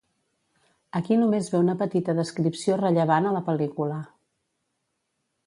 Aquí només ve una petita descripció rellevant a la pel·lícula.